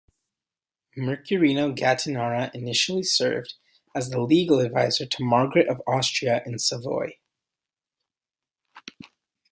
Mercurino Gattinara initially served as the legal advisor to Margaret of Austria in Savoy.